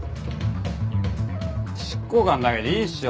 執行官だけでいいっしょ。